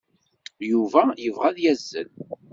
Yuba yebɣa ad yazzel.